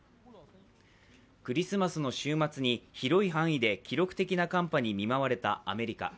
クリスマスの週末に広い範囲で記録的な寒波に見舞われたアメリカ。